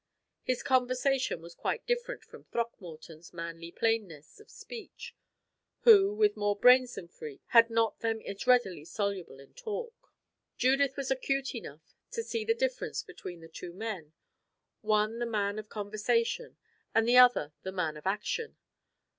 His conversation was quite different from Throckmorton's manly plainness of speech, who, with more brains than Freke, had not them as readily soluble in talk. Judith was acute enough to see the difference between the two men one the man of conversation, and the other the man of action.